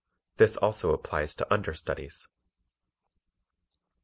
(This also applies to understudies.)